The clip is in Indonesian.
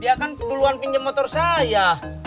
dia kan duluan pinjam motor saya